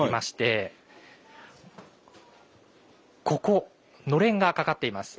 ここのれんがかかっています。